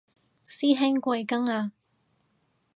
師兄貴庚啊